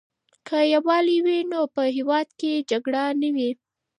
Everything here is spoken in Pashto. که یووالی وي نو په هېواد کې جګړه نه وي.